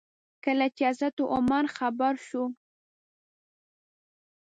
کله چې حضرت عمر خبر شو.